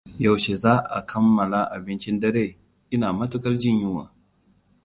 Yaushe za a kammala abincin dare? Ina matuƙar jin yunwa.